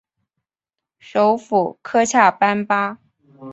首府科恰班巴。